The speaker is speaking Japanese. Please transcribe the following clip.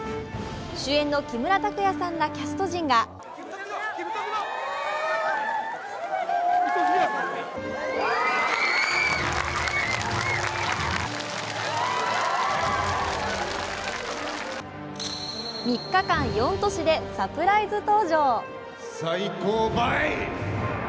主演の木村拓哉さんらキャスト陣が３日間４都市でサプライズ登場。